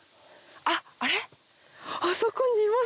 あっあれ？